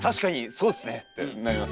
そうですね！」ってなります。